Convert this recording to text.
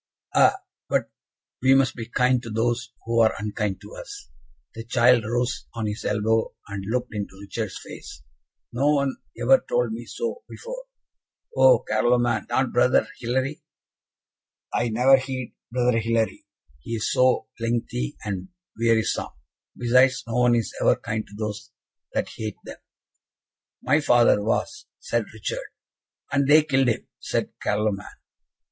"Ah! but we must be kind to those who are unkind to us." The child rose on his elbow, and looked into Richard's face. "No one ever told me so before." "Oh, Carloman, not Brother Hilary?" "I never heed Brother Hilary he is so lengthy, and wearisome; besides, no one is ever kind to those that hate them." "My father was," said Richard. "And they killed him!" said Carloman.